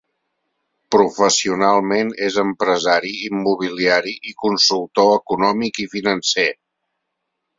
Professionalment és empresari immobiliari i consultor econòmic i financer.